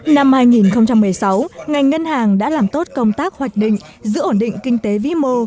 năm hai nghìn một mươi sáu ngành ngân hàng đã làm tốt công tác hoạch định giữ ổn định kinh tế vĩ mô